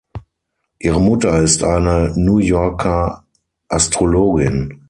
Ihre Mutter ist eine New Yorker Astrologin.